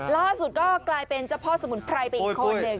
ล่าสุดก็กลายเป็นเจ้าพ่อสมุนไพรไปอีกคนหนึ่ง